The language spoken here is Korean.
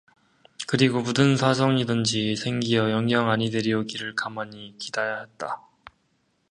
그리고 무슨 사정이든지 생기어 영영 아니 데려오기를 가만히 기대하였다.